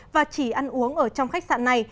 và chỉ ăn uống ở trong khách sạn này